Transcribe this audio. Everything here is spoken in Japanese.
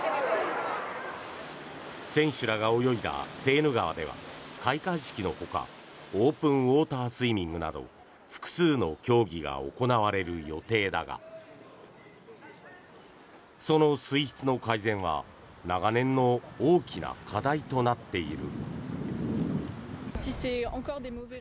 選手らが泳いだセーヌ川では開会式のほかオープンウォータースイミングなど複数の競技が行われる予定だがその水質の改善は長年の大きな課題となっている。